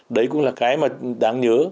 đấy cũng là cái mà đáng nhớ